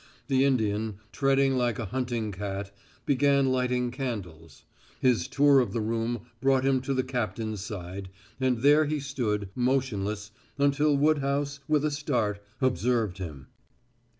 The Indian, treading like a hunting cat, began lighting candles. His tour of the room brought him to the captain's side, and there he stood, motionless, until Woodhouse, with a start, observed him.